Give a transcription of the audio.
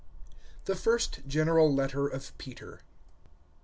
THE FIRST GENERAL LETTER OF PETER.